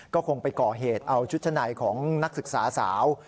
ก็คงไปก่อเหตุเอาชุดชั้นในของนักศึกษาสาว